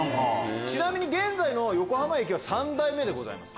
ちなみに現在の横浜駅は３代目でございます。